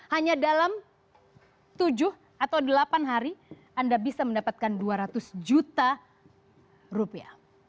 hanya dalam tujuh atau delapan hari anda bisa mendapatkan dua ratus juta rupiah